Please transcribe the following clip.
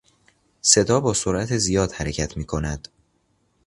صدا با سرعت زیاد حرکت میکند.